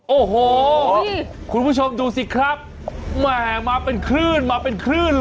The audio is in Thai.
โอ้โหคุณผู้ชมดูสิครับแหมมาเป็นคลื่นเลยครับ